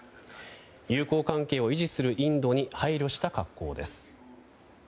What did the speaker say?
友好関係を維持するインドに配慮した格好です。